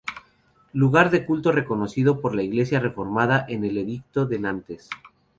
Lugar de culto reconocido por la Iglesia Reformada en el Edicto de Nantes.